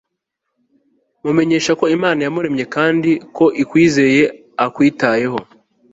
Mumenyeshe ko Imana yamuremye kandi ko ikwizeye akwitayeho